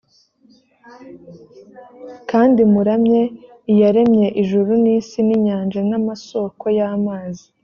kandi muramye iyaremye ijuru n’isi n’inyanja n’amasoko y’amazi